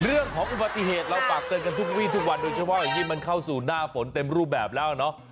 เรื่องของอุบัติเหตุเราฝากเตือนกันทุกวีทุกวันโดยเฉพาะอย่างยิ่งมันเข้าสู่หน้าฝนเต็มรูปแบบแล้วเนาะ